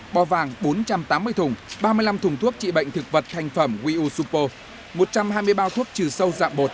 bò vàng bốn trăm tám mươi thùng ba mươi năm thùng thuốc trị bệnh thực vật thành phẩm wiusupo một trăm hai mươi bao thuốc trừ sâu dạng bột